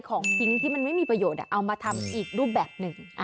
ของทิ้งที่มันไม่มีประโยชน์เอามาทำอีกรูปแบบหนึ่ง